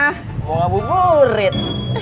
mau bawa buburin